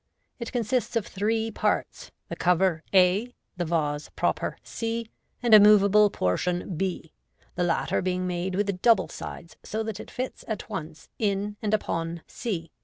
It consists of three parts, the cover a, the vase proper c, and a moveable portion b, the latter being made with double sides, so that it fits at once in and upon c.